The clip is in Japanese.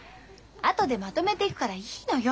後でまとめて行くからいいのよ。